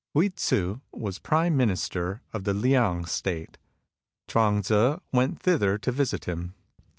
Hui Tzu was prime minister in the Liang State. Chuang Tzu went thither to visit him.